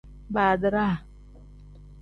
Badiraa.